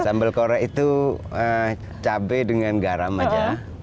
sambal kora itu cabai dengan garam aja